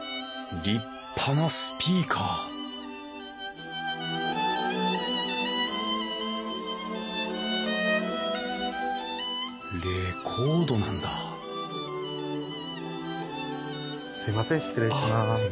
立派なスピーカーレコードなんだすいません。